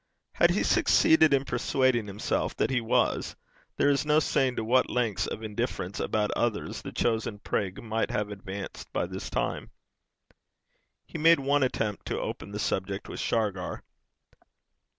Had he succeeded in persuading himself that he was, there is no saying to what lengths of indifference about others the chosen prig might have advanced by this time. He made one attempt to open the subject with Shargar.